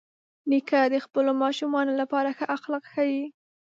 نیکه د خپلو ماشومانو لپاره ښه اخلاق ښيي.